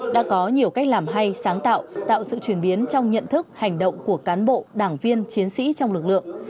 đã có nhiều cách làm hay sáng tạo tạo sự chuyển biến trong nhận thức hành động của cán bộ đảng viên chiến sĩ trong lực lượng